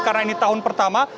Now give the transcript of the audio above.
karena ini tahun pertama